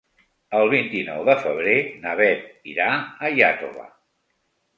El vint-i-nou de febrer na Beth irà a Iàtova.